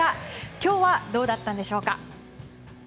今日はどうだったんでしょうか。